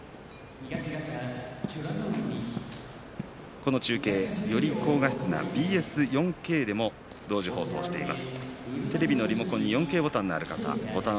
この中継はより鮮明なＢＳ４Ｋでも同時放送しています。